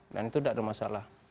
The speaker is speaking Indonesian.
dan itu tidak ada masalah